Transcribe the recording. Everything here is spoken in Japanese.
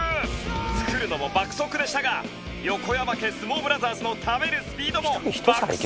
作るのも爆速でしたが横山家相撲ブラザーズの食べるスピードも爆速です！